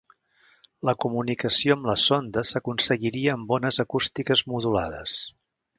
La comunicació amb la sonda s'aconseguiria amb ones acústiques modulades.